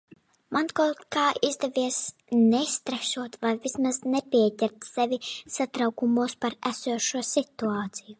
Man kaut kā izdevies nestresot vai vismaz nepieķert sevi satraukumos par esošo situāciju.